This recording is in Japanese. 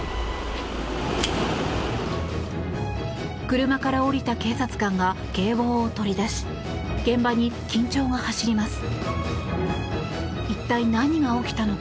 車から降りた警察官が警棒を取り出し現場に緊張が走ります。